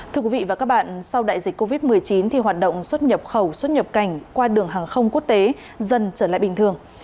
thưa quý vị và các bạn sau đại dịch covid một mươi chín thì hoạt động xuất nhập khẩu xuất nhập cảnh qua đường hàng không quốc tế dần trở lại bình thường